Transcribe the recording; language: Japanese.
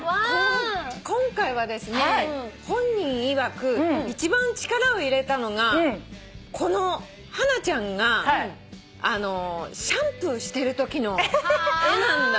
今回はですね本人いわく一番力を入れたのがこのハナちゃんがシャンプーしてるときの絵なんだそうなんです。